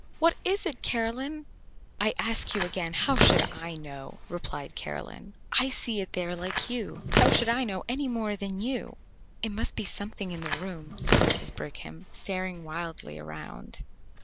What is it, Caroline?" "I ask you again, how should I know?" replied Caroline. "I see it there like you. How should I know any more than you?" "It must be something in the room," said Mrs. Brigham, staring wildly around.